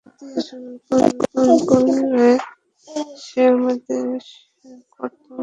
হাতিয়ার সমর্পণ করলে সে আমাদের কতল করবে।